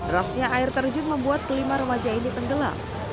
rasnya air terjun membuat lima remaja ini tenggelam